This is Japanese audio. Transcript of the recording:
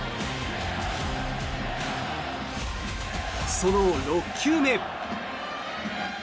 その６球目。